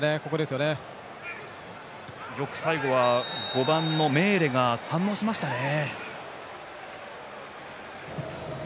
よく最後は５番のメーレが反応しましたね。